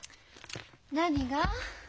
何が？